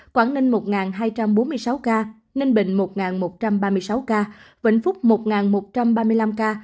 quảng ninh một hai trăm bốn mươi sáu ca ninh bình một một trăm ba mươi sáu ca vĩnh phúc một một trăm ba mươi năm ca